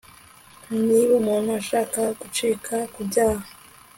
Nibumuntu ashaka gucika ku byaha